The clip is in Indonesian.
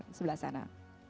di sebelah sana